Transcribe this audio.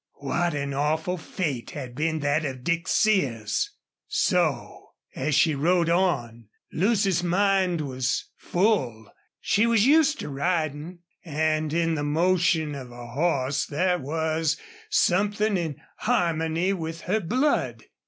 What an awful fate had been that of Dick Sears! So as she rode on Lucy's mind was full. She was used to riding, and in the motion of a horse there was something in harmony with her blood.